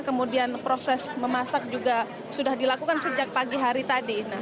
kemudian proses memasak juga sudah dilakukan sejak pagi hari tadi